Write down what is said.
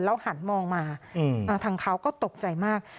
หันมองมาทางเขาก็ตกใจมาก